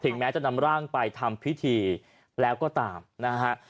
ถึงจะมานำร่างไปทำพิธีแล้วก็ตามนะครับ